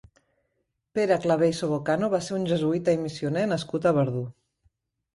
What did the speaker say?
Pere Claver i Sobocano va ser un jesuïta i missioner nascut a Verdú.